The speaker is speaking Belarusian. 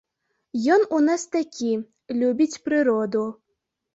Ён у нас такі, любіць прыроду.